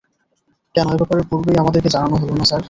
কেন এ ব্যাপারে পূর্বেই আমাদেরকে জানানো হলো না, স্যার?